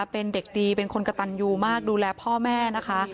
เป็นเด็กดีเป็นคนกระตันยูมากดูแลพ่อแม่นะคะ